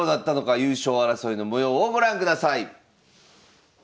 優勝争いの模様をご覧ください。